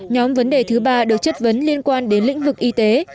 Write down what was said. nhóm vấn đề thứ ba được chất vấn liên quan đến lĩnh vực y tế